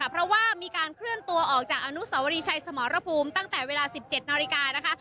เพราะว่ามีการเคลื่อนตัวออกจากอนุสวรีชัยสมรภูมิตั้งแต่เวลา๑๗นาฬิกานะคะ